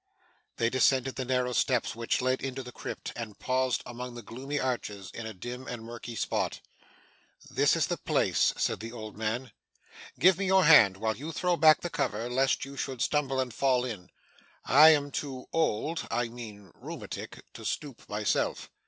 They descended the narrow steps which led into the crypt, and paused among the gloomy arches, in a dim and murky spot. 'This is the place,' said the old man. 'Give me your hand while you throw back the cover, lest you should stumble and fall in. I am too old I mean rheumatic to stoop, myself.